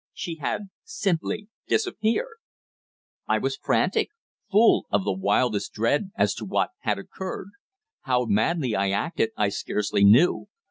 She had simply disappeared. I was frantic, full of the wildest dread as to what had occurred. How madly I acted I scarcely knew.